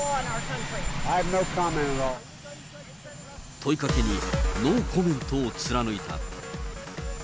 問いかけに、ノーコメントを貫いた。